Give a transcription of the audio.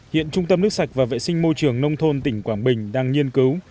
hiện trung tâm nước sạch và vệ sinh môi trường nông thôn tỉnh quảng bình đang nghiên cứu